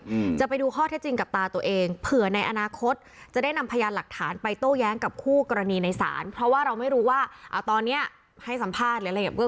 อืมจะไปดูข้อเท็จจริงกับตาตัวเองเผื่อในอนาคตจะได้นำพยานหลักฐานไปโต้แย้งกับคู่กรณีในศาลเพราะว่าเราไม่รู้ว่าเอาตอนเนี้ยให้สัมภาษณ์หรืออะไรอย่างเบื้อ